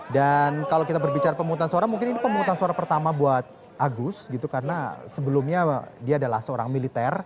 dan kalau kita berbicara pemungutan suara mungkin ini pemungutan suara pertama buat agus gitu karena sebelumnya dia adalah seorang militer